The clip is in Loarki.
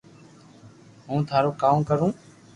ھونن ٿارو ڪاو ڪرو